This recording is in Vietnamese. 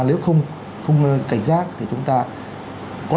nếu không không rảnh rác thì chúng ta có